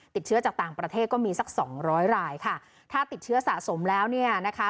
ติดเชื้อจากต่างประเทศก็มีสักสองร้อยรายค่ะถ้าติดเชื้อสะสมแล้วเนี่ยนะคะ